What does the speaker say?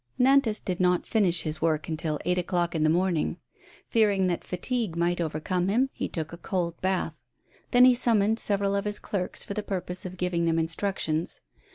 Nantas did not finish his work until eight o'clock in the morning. Fearing that fatigue might overcome him, he took a cold bath. Then he summoned several of his clerks for the purpose of giving them instructions.